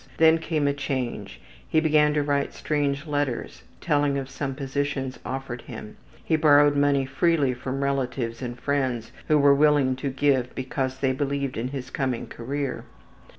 Then came a change; he began to write strange letters, telling of some positions offered him, he borrowed money freely from relatives and friends who were willing to give because they believed in his coming career.